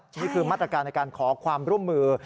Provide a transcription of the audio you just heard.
นี่คือมาตรการในการขอความร่วมมือ